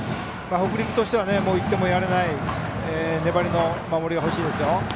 北陸としては１点もやれない粘りの守りが欲しいですよ。